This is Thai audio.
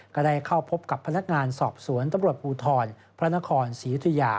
ก็ได้เข้าพบกับพนักงานสอบสวนตำรวจภูทรพระนครศรียุธยา